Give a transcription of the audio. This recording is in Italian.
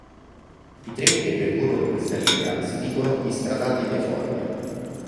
I treni che percorrono questa linea si dicono "instradati via Formia".